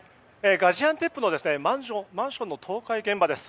ガジアンテップのマンションの倒壊現場です。